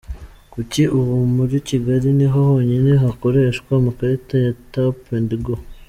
Kuri ubu muri Kigali niho honyine hakoreshwa amakarita ya tapu endi go.